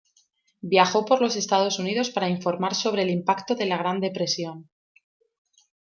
Viajó por los Estados Unidos para informar sobre el impacto de la Gran Depresión.